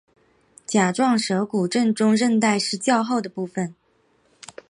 甲状舌骨正中韧带是较厚的部分。